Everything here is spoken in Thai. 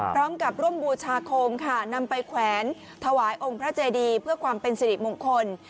พร้อมกับร่วมบูชาโคมค่ะนำไปแขวนถวายองค์พระเจดีเพื่อความเป็นสิริมงคล